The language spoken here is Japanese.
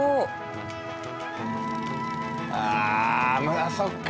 ああそっか